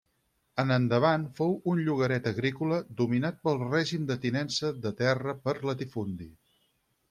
En endavant fou un llogaret agrícola dominat pel règim de tinença de terra per latifundi.